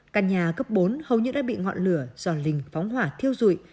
căn nhà cấp bốn hầu như đã bị ngọn lửa do linh phóng hỏa thiêu rụi